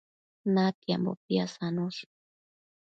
natiambo pisadosh